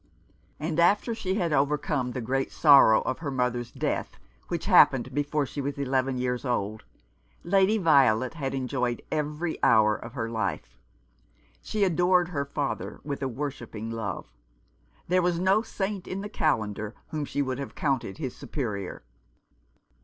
And after she had overcome the great sorrow of her mother's death, which happened before she was eleven years old, Lady Violet had enjoyed every hour of her life. She adored her father, with a worshipping love. There was no saint in the calendar whom she would have counted his superior.